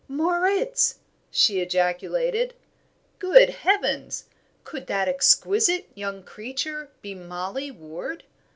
"Moritz!" she ejaculated. "Good heavens, could that exquisite young creature be Mollie Ward!"